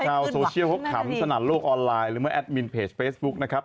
ชาวโซเชียลเขาขำสนั่นโลกออนไลน์หรือเมื่อแอดมินเพจเฟซบุ๊คนะครับ